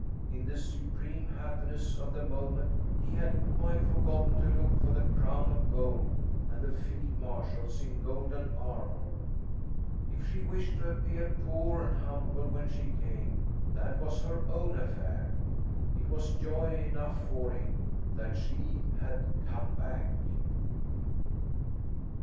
In the supreme happiness of the moment he had quite forgotten to look for the crown of gold and the field marshals in golden armour. If she wished to appear poor and humble when she came, that was her own affair. It was joy enough for him that she had come back.